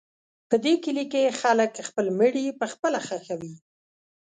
په دې کلي کې خلک خپل مړي پخپله ښخوي.